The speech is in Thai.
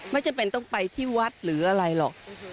ไม่จำเป็นต้องไปที่วัดหรืออะไรหรอก